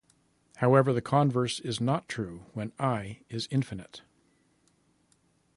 However, the converse is not true when "I" is infinite.